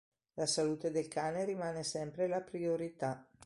La salute del cane rimane sempre la priorità”